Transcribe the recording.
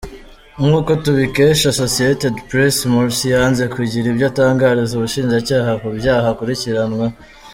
Nk’uko tubikesha Associated Press, Morsi yanze kugira ibyo atangariza ubushijacyaha ku byaha akurikiranweho.